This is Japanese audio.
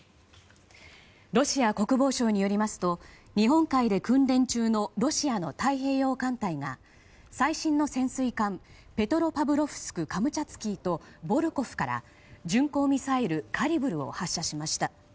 ロシア国防省によりますと日本海で訓練中のロシアの太平洋艦隊が最新の潜水艦「ペトロパブロフスク・カムチャツキー」と「ボルコフ」から巡航ミサイルカリブルを発射しました。